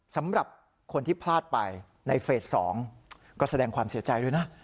สำหรับคนที่พลาดไปในเฟส๒ก็แสดงความเสียใจด้วยนะ